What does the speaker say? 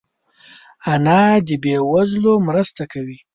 انا د بې وزلو مرسته کوي